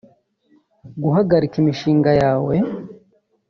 Guhagarika imishinga yawe